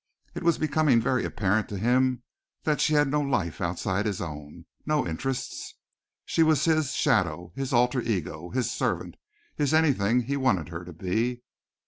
It was becoming very apparent to him that she had no life outside his own no interests. She was his shadow, his alter ego, his servant, his anything he wanted her to be.